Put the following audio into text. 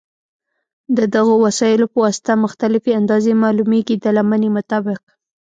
د دغو وسایلو په واسطه مختلفې اندازې معلومېږي د لمنې مطابق.